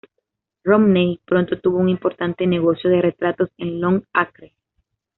Romney pronto tuvo un importante negocio de retratos en Long Acre.